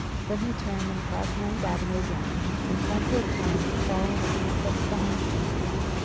Then he turned and crossed Ninth Avenue again, in plenty of time to fall in a few steps behind Sandy.